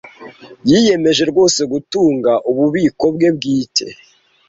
Yiyemeje rwose gutunga ububiko bwe bwite.